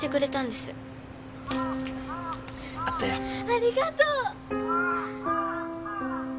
ありがとう！